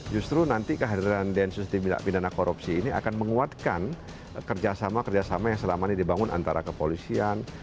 justru nanti kehadiran densus tindak pidana korupsi ini akan menguatkan kerjasama kerjasama yang selama ini dibangun antara kepolisian